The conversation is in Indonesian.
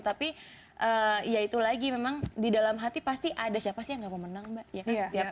tapi ya itu lagi memang di dalam hati pasti ada siapa sih yang gak mau menang mbak